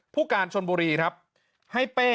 ผู้การชนบุรีครับให้เป้